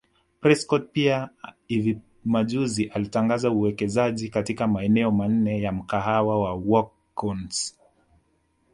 Prescott pia hivi majuzi alitangaza uwekezaji katika maeneo manne ya mkahawa wa WalkOns